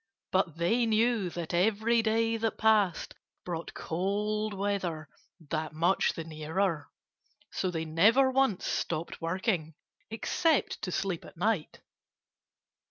But they knew that every day that passed brought cold weather that much the nearer. So they never once stopped working except to sleep at night.